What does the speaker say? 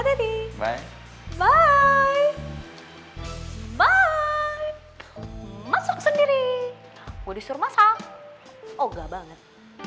hai bye masuk sendiri gue disuruh masak oh nggak banget